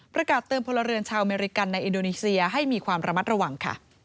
ประกาศเติมพลเรือนชาวอเมริกันในอินโดนีเซียให้มีความระมัดระวังค่ะ